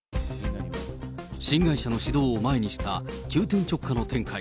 新会社の始動を前にした急転直下の展開。